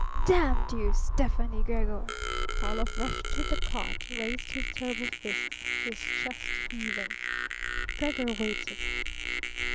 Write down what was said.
"Damn you, Stefani Gregor!" Karlov rushed to the cot, raised his terrible fists, his chest heaving. Gregor waited.